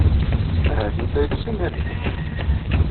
Ahat yella yeṭṭes imir-nni.